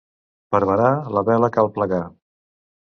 Per varar la vela cal plegar.